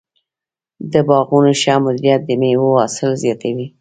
د باغونو ښه مدیریت د مېوو حاصل زیاتوي.